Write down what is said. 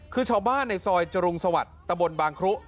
คือชาวบ้านในซอยจรุงสวัสดิ์ตะบนบางครุ